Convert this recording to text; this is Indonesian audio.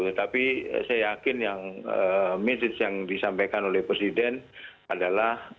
tetapi saya yakin yang mesej yang disampaikan oleh presiden adalah